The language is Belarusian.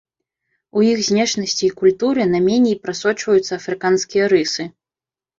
У іх знешнасці і культуры найменей прасочваюцца афрыканскія рысы.